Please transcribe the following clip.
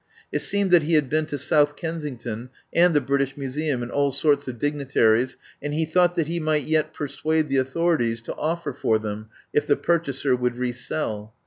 It seemed that he had been to South Kensington and the British Museum and all sorts of dignitaries, and he thought he might yet persuade the authorities to offer for them if the purchaser would re sell.